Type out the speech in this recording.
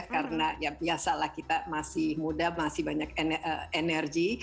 karena yang biasalah kita masih muda masih banyak energi